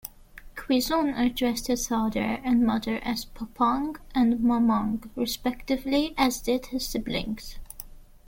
Quizon addressed his father and mother as "Papang" and "Mamang", respectivelyas did his siblings.